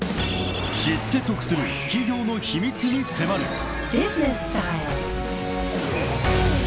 ［知って得する企業の秘密に迫る］